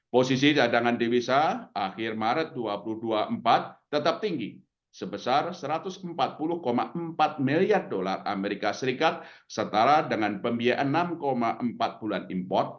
posisi cadangan devisa akhir maret dua ribu dua puluh empat tetap tinggi sebesar satu ratus empat puluh empat miliar dolar as setara dengan pembiayaan enam empat bulan import